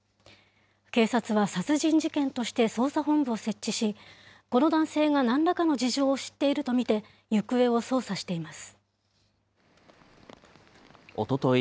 警察は殺人事件として捜査本部を設置し、この男性がなんらかの事情を知っていると見て、行方を捜査していおととい